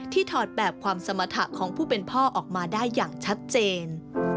ถอดแบบความสมรรถะของผู้เป็นพ่อออกมาได้อย่างชัดเจน